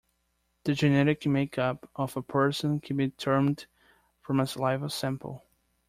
The genetic makeup of a person can be determined from a saliva sample.